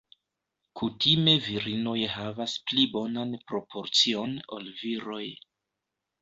Kutime virinoj havas pli bonan proporcion ol viroj.